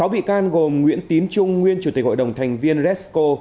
sáu bị can gồm nguyễn tín trung nguyên chủ tịch hội đồng thành viên resco